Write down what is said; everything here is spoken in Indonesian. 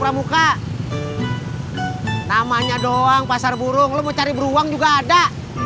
pramuka namanya doang pasar burung lo mau cari beruang juga ada